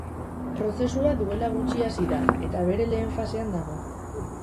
Prozesua duela gutxi hasi da, eta bere lehen fasean dago.